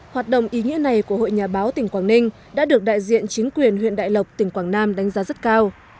hoạt động ý nghĩa này của hội nhà báo tỉnh quảng ninh đã được đại diện chính quyền huyện đại lộc tỉnh quảng nam đánh giá rất cao